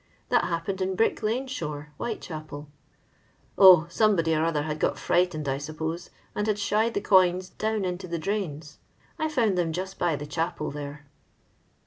That happened in Brick lane .^hore, WhitechapeL O, somebody or other had got frightened, I suppose, and had shi^d the coins down into the drains. I found them just by the chapel there."